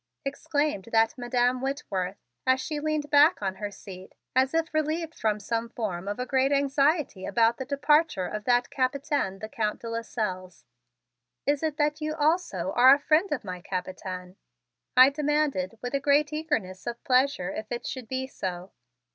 exclaimed that Madam Whitworth as she leaned back on her seat as if relieved from some form of a great anxiety about the departure of that Capitaine, the Count de Lasselles. "Is it that you are also a friend of my Capitaine?" I demanded with a great eagerness of pleasure if it should be so.